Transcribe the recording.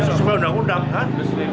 supaya undang undang kan